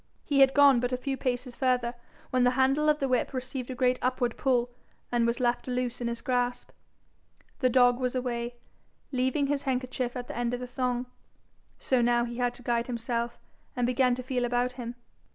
He had gone but a few paces further when the handle of the whip received a great upward pull and was left loose in his grasp: the dog was away, leaving his handkerchief at the end of the thong. So now he had to guide himself, and began to feel about him.